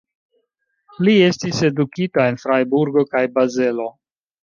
Li estis edukita en Frajburgo kaj Bazelo.